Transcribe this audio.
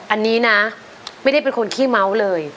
อันนี้นะไม่ได้เป็นคนขี้เมาส์เลย